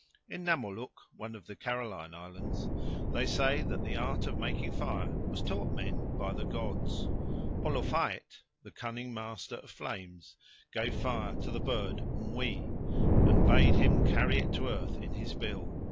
In Namoluk, one of the Caroline Islands, they say that the art of making fire was taught men by the gods. Olofaet, the cunning master of flames, gave fire to the bird mwi and bade him carry it to earth in his bill.